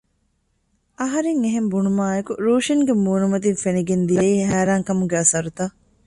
އަހަރެން އެހެން ބުނުމާއެކު ރޫޝިންގެ މޫނުމަތިން ފެނިގެން ދިޔައީ ހައިރާން ކަމުގެ އަސަރުތައް